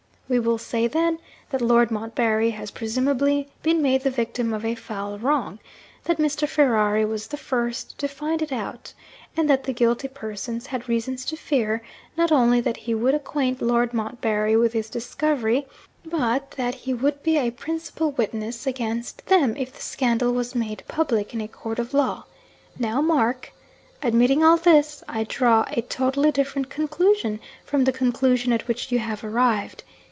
We will say, then, that Lord Montbarry has presumably been made the victim of a foul wrong that Mr. Ferrari was the first to find it out and that the guilty persons had reason to fear, not only that he would acquaint Lord Montbarry with his discovery, but that he would be a principal witness against them if the scandal was made public in a court of law. Now mark! Admitting all this, I draw a totally different conclusion from the conclusion at which you have arrived.